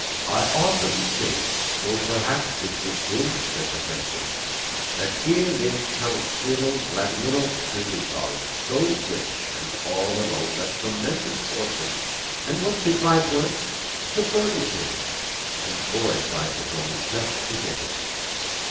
"I often think, though, perhaps it's a sin," said the princess, "that here lives Count Cyril Vladímirovich Bezúkhov so rich, all alone... that tremendous fortune... and what is his life worth? It's a burden to him, and Bóry's life is only just beginning...."